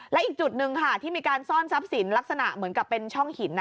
และอีกจุดหนึ่งค่ะที่มีการซ่อนทรัพย์สินลักษณะเหมือนกับเป็นช่องหิน